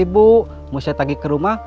ibu mau saya tagih ke rumah